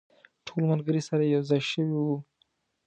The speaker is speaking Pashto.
ټول ملګري سره یو ځای شوي وو.